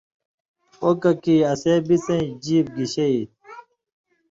”او ککی اسے بِڅَیں ژیب گِشے ای تھی“